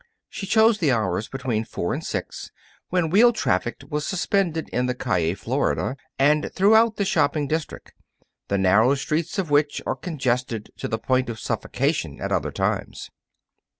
She chose the hours between four and six, when wheel traffic was suspended in the Calle Florida and throughout the shopping district, the narrow streets of which are congested to the point of suffocation at other times.